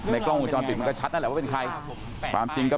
กล้องวงจรปิดมันก็ชัดนั่นแหละว่าเป็นใครความจริงก็